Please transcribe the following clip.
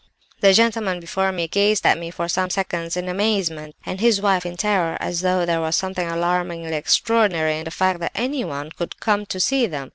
"The gentleman before me gazed at me for some seconds in amazement, and his wife in terror; as though there was something alarmingly extraordinary in the fact that anyone could come to see them.